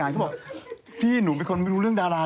พี่หนิงมาบ่อยนะคะชอบเห็นมั้ยดูมีสาระหน่อย